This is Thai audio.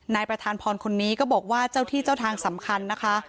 นายประธานพรคนนี้ก็บอกว่าเจ้าที่เจ้าทางสำคัญนะคะ